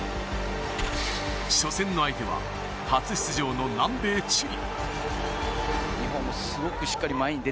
初戦の相手は初出場の南米チリ。